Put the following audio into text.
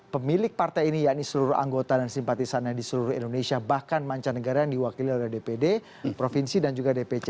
pemilik partai ini yakni seluruh anggota dan simpatisannya di seluruh indonesia bahkan mancanegara yang diwakili oleh dpd provinsi dan juga dpc